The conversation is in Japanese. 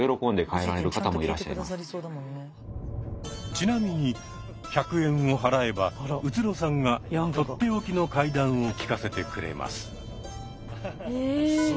ちなみに１００円を払えば宇津呂さんが取って置きの怪談を聞かせてくれます。